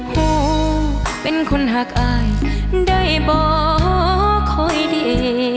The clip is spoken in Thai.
พ่อเป็นคนหักอายได้บ่คอยดี